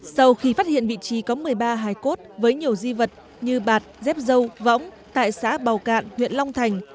sau khi phát hiện vị trí có một mươi ba hải cốt với nhiều di vật như bạt dép dâu võng tại xã bào cạn huyện long thành